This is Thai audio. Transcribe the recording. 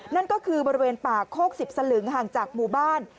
นั่นก็คือบริเวณป่าโคก๑๐สลึงห่างจากหมู่บ้าน